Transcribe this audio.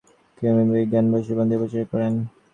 তিনি বসু বিজ্ঞান মন্দির পরিচালনা করেন।